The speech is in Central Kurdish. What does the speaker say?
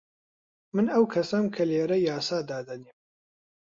من ئەو کەسەم کە لێرە یاسا دادەنێم.